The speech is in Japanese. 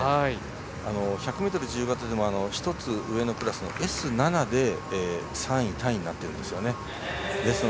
１００ｍ自由形でも１つ上のクラスのＳ７で３位タイになっているんですね。